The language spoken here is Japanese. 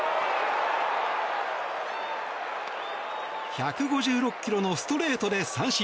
１５６ｋｍのストレートで三振。